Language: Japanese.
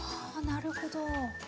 はあなるほど。